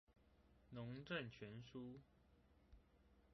農政全書